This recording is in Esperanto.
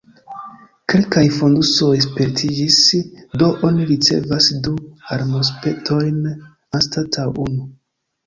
Kelkaj fondusoj splitiĝis, do oni ricevas du almozpetojn anstataŭ unu.